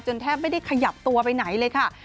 แทบไม่ได้ขยับตัวไปไหนเลยค่ะ